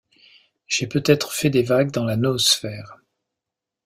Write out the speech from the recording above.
J'ai peut-être fait des vagues dans la noosphère.